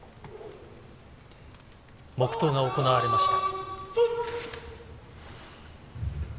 黙祷が行われました。